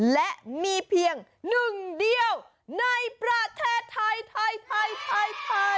และมีเพียงหนึ่งเดียวในประเทศไทยไทย